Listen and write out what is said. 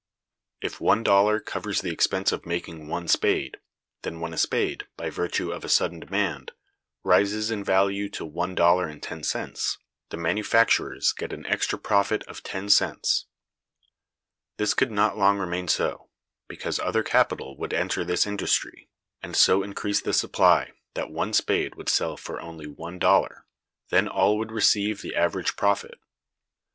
If one dollar covers the expense of making one spade, then when a spade, by virtue of a sudden demand, rises in value to one dollar and ten cents, the manufacturers get an extra profit of ten cents. This could not long remain so, because other capital would enter this industry, and so increase the supply that one spade would sell for only one dollar; then all would receive the average profit.